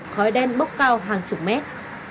khói đen bốc cao hàng chục mét